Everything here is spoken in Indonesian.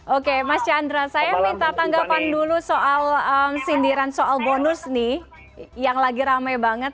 oke mas chandra saya minta tanggapan dulu soal sindiran soal bonus nih yang lagi rame banget